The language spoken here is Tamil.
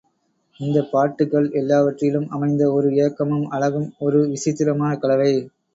இந்தப் பாட்டுகள் எல்லாவற்றிலும் அமைந்த ஏக்கமும் அழகும் ஒரு விசித்திரமான கலவை.